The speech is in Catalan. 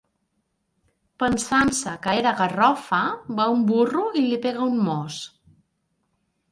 Pensant-se que era garrofa, va un burro i li pega un mos.